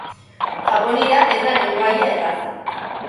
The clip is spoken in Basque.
Japoniera ez da lengoaia erraza.